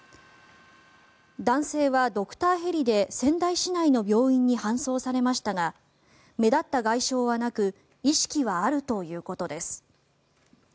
男性はドクターヘリで仙台市内の病院に搬送されましたが目立った外傷はなく意識はあるということです。